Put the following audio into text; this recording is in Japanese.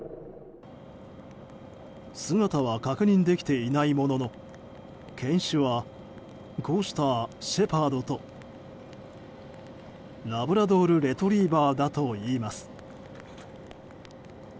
姿は確認できていないものの犬種は、こうしたシェパードとラブラドルレトリバーだといいます。